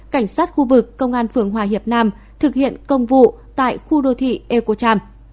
cảnh sát khu vực công an phường hòa hiệp nam thực hiện công vụ tại khu đô thị ecocham